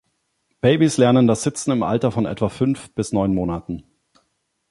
Babys lernen das Sitzen im Alter von etwa fünf bis neun Monaten.